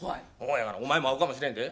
お前も会うかもしれんで。